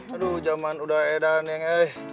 aduh zaman udah edan yang eh